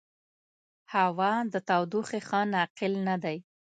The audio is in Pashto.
هوا د تودوخې ښه ناقل نه دی.